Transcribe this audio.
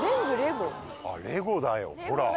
レゴだよほら。